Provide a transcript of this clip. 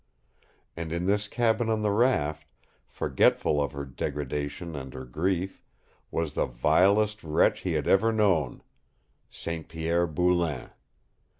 And in this cabin on the raft, forgetful of her degradation and her grief, was the vilest wretch he had ever known St. Pierre Boulain.